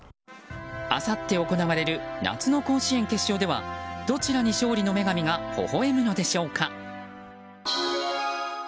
あさって行われる夏の甲子園決勝ではどちらに勝利の女神がほほ笑むのでしょうか。